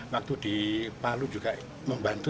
waktu di palu juga membantu